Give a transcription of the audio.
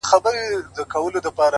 • دی هم پټ روان پر لور د هدیرې سو,